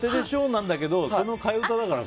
なんだけどそれは替え歌だから。